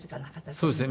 そうですよね。